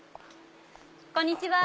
こんにちは。